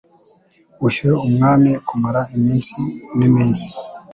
Uhe umwami kumara iminsi n’iminsi